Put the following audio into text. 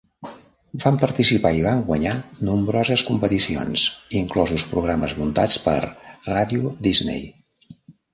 Van participar i van guanyar nombroses competicions, inclosos programes muntats per Radio Disney.